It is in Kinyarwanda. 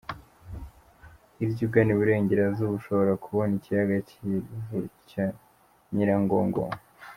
Hirya ugana i Burengerazuba, ushobora kubona ikiyaga cy’ivu cya Nyiragongo.